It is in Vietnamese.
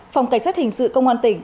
phòng cảnh sát hình sự công an tỉnh